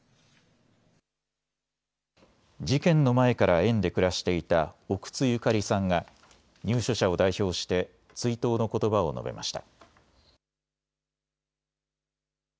事件の前から園で暮らしていた奥津ゆかりさんが入所者を代表して追悼のことばを述べました。